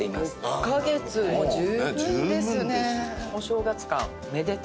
６カ月もう十分ですね。